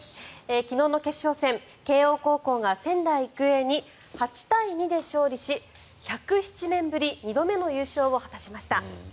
昨日の決勝戦慶応高校が仙台育英に８対２で勝利し１０７年ぶり２度目の優勝を果たしました。